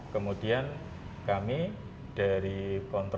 akan berkomunikasi ke petugas kota krl yang ada di stasiun stasiun krl